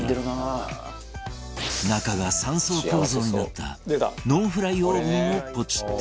中が３層構造になったノンフライオーブンをポチって